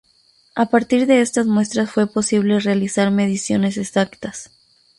A partir de estas muestras fue posible realizar mediciones exactas.